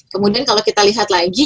kemudian kalau kita lihat lagi